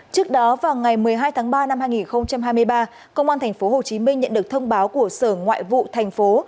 trước đó vào ngày một mươi hai tháng ba năm hai nghìn hai mươi ba công an tp hcm nhận được thông báo của sở ngoại vụ thành phố